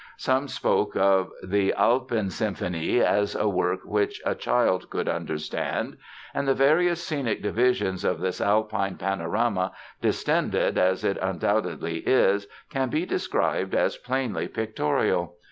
Some spoke of the Alpensymphonie as a work which "a child could understand". And the various scenic divisions of this Alpine panorama, distended as it undoubtedly is, can be described as plainly pictorial.